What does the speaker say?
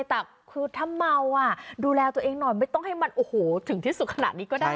แต่ถ้าเมาดูแลตัวเองหน่อยไม่ต้องให้มันที่สุดขนาดนี้ก็ได้